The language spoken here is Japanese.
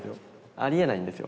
ありえないんですよ。